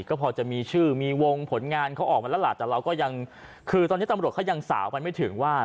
ก็พอจะมีชื่อมีวงผลงานเขาออกมาแล้วล่ะแต่เราก็ยังคือตอนนี้ตำรวจเขายังสาวไปไม่ถึงว่า